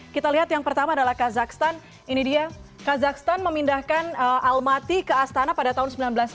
kita lihat yang pertama adalah kazakhstan ini dia kazakhstan memindahkan almaty ke astana pada tahun seribu sembilan ratus sembilan puluh